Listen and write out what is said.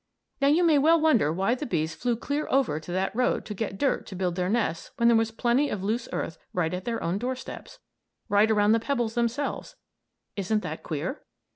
Now, you may well wonder why the bees flew clear over to that road to get dirt to build their nests when there was plenty of loose earth right at their own door steps; right around the pebbles themselves. Isn't that queer?